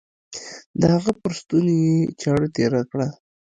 د هغه پر ستوني يې چاړه تېره کړه.